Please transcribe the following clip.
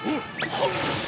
はっ！